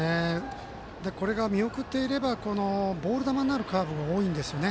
これが見送っていればボール球になるカーブが多いんですよね。